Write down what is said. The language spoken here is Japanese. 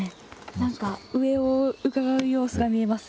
何か上をうかがう様子が見えます。